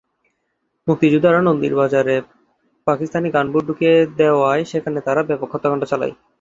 মুক্তিযোদ্ধারা নন্দীর বাজারে পাকবাহিনীর গানবোট ডুবিয়ে দেওয়ায় সেখানে তারা ব্যাপক হত্যাকাণ্ড চালায়।